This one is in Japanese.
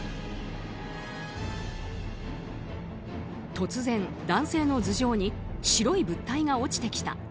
突然、男性の頭上に白い物体が落ちてきた。